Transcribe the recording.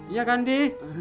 iya kan di